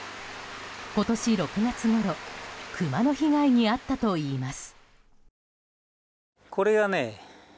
今年６月ごろクマの被害に遭ったといいます。